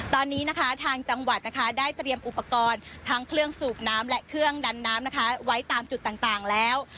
ตอนนี้นะคะทางจังหวัดนะคะได้เตรียมอุปกรณ์ทั้งเครื่องสูบน้ำและเครื่องดันน้ำนะคะไว้ตามจุดต่างแล้ว